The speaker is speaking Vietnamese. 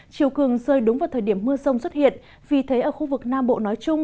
chiều cường rơi đúng vào thời điểm mưa rông xuất hiện vì thế ở khu vực nam bộ nói chung